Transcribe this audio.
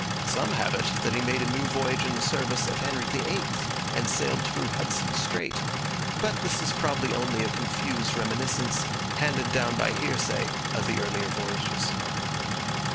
Some have it that he made a new voyage in the service of Henry VIII, and sailed through Hudson Strait, but this is probably only a confused reminiscence, handed down by hearsay, of the earlier voyages.